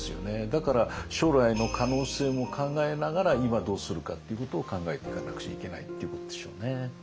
だから将来の可能性も考えながら今どうするかっていうことを考えていかなくちゃいけないっていうことでしょうね。